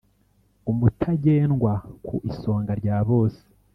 Umutagendwa ku isonga rya bose,